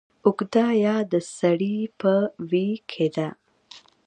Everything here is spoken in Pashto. اوږده يا د سړې په ویي کې ده